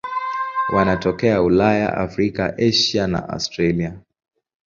Wanatokea Ulaya, Afrika, Asia na Australia.